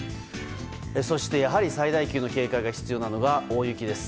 そして、やはり最大級の警戒が必要なのが大雪です。